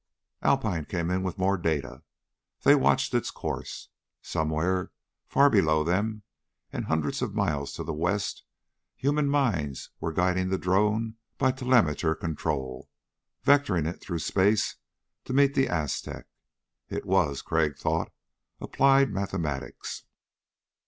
Alpine came in with more data. They watched its course. Somewhere far below them and hundreds of miles to the west human minds were guiding the drone by telemeter control, vectoring it through space to meet the Aztec. It was, Crag thought, applied mathematics.